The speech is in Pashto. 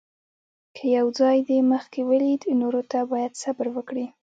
که یو ځای دې مخکې ولید، نورو ته باید صبر وکړې.